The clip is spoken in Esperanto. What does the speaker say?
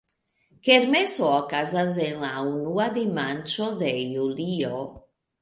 Kermeso okazas en la unua dimanĉo de julio.